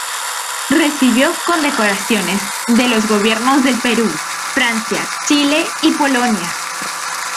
Recibió condecoraciones de los gobiernos del Perú, Francia, Chile y Polonia.